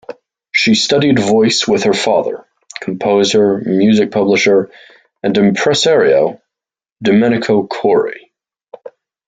She studied voice with her father, composer, music publisher, and impresario Domenico Corri.